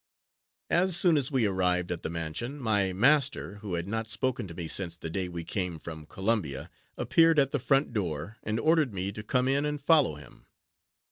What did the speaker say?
As soon as we arrived at the mansion, my master, who had not spoken to me since the day we came from Columbia, appeared at the front door, and ordered me to come in and follow him.